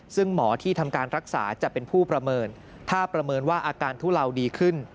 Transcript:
ซึ่งหมอที่ทำการรักษาจะเป็นผู้ประเมินถ้าประเมินว่าอาการทุเลาดีขึ้น